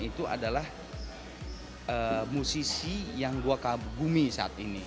itu adalah musisi yang gue kagumi saat ini